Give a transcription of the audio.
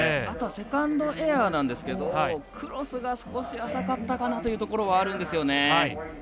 あとはセカンドエアなんですがクロスが少し浅かったかなというのはあるんですよね。